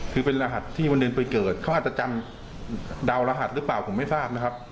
คือเป็นรหัสที่วันเดือนไปเกิดเขาอาจจะจำดาวรหัสหรือเปล่าผมไม่ทราบนะครับ